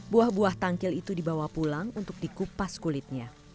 buah buah tangkil itu dibawa pulang untuk dikupas kulitnya